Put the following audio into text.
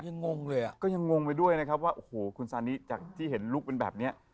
งงเลยอ่ะก็ยังงงไปด้วยนะครับว่าโอ้โหคุณซานิจากที่เห็นลูกเป็นแบบเนี้ย